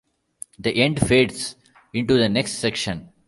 The end fades into the next section.